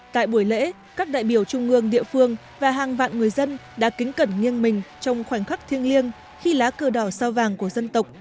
tại buổi lễ các đại biểu trung ương địa phương và hàng vạn người dân đã kính cẩn nghiêng mình trong khoảnh khắc thiêng liêng khi lá cờ đỏ sao vàng của dân tộc